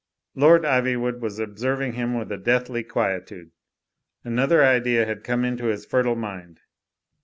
Lord Iv)rwood was observing him with a deathly quietude; another idea had come into his fertile mind.